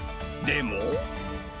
でも。